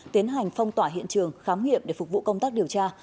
tiến hành phong tỏa hiện trường khám nghiệm để phục vụ công tác điều tra